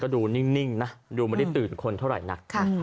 ดูนิ่งนะดูไม่ได้ตื่นคนเท่าไหร่นัก